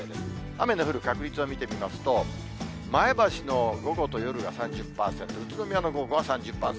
雨の降る確率を見てみますと、前橋の午後と夜が３０％、宇都宮の午後は３０％。